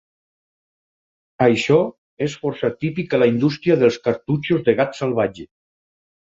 Això és força típic a la indústria dels "cartutxos de gat salvatge".